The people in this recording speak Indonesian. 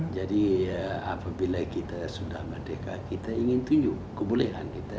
jadi apabila kita sudah merdeka kita ingin tunjuk kebolehan kita